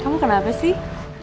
kamu kenapa sih